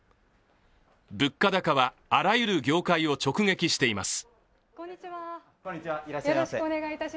物価高は、あらゆる業界を直撃しています。